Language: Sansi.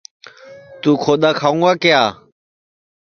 توں کھودؔا کھاوں گا کیا